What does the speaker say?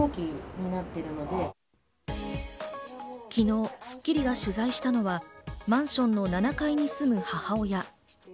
昨日、『スッキリ』が取材したのは、マンションの７階に住む母親。